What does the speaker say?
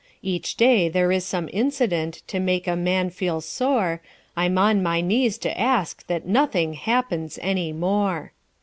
Each day there is some incident to make a man feel sore, I'm on my knees to ask that nothing happens any more.